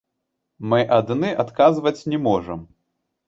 Мы адны адказваць не можам.